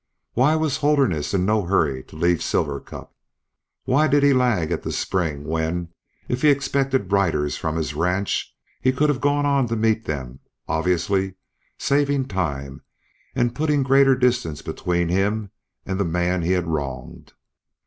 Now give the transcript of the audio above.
Why was Holderness in no hurry to leave Silver Cup? Why did he lag at the spring when, if he expected riders from his ranch, he could have gone on to meet them, obviously saving time and putting greater distance between him and the men he had wronged?